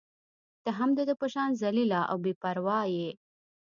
ته هم د ده په شان ذلیله او بې پرواه يې.